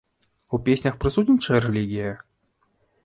У песнях прысутнічае рэлігія?